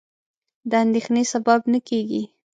د اندېښنې سبب نه کېږي.